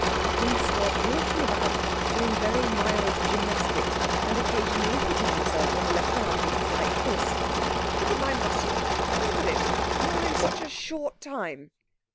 Bruce was walking about doing very mild gymnastics, and occasionally hitting himself on the left arm with the right fist.' Look at my muscle look at it and all in such a short time!'